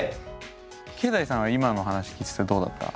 けいだいさんは今の話聞いててどうだった？